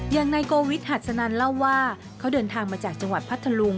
อย่างนายโกวิทหัสสนันเล่าว่าเขาเดินทางมาจากจังหวัดพัทธลุง